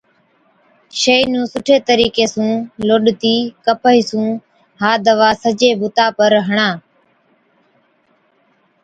شِيشِي نُون سُٺي طريقي سُون لوڏتِي ڪپهئِي سُون ها دَوا سجي بُتا پر هڻا